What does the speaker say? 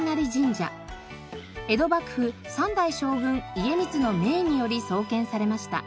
江戸幕府３代将軍家光の命により創建されました。